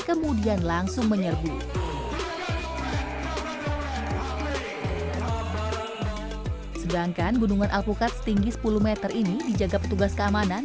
kemudian langsung menyerbu sedangkan gunungan alpukat setinggi sepuluh m ini dijaga petugas keamanan